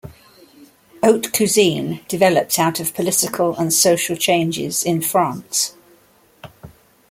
"Haute cuisine" developed out of political and social changes in France.